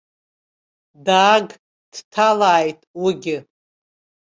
Дааг, дҭалааит уигьы.